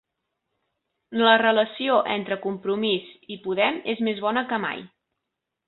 La relació entre Compromís i Podem és més bona que mai